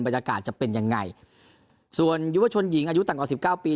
บรรยากาศจะเป็นยังไงส่วนยุทธชนหญิงอายุต่างกว่า๑๙ปี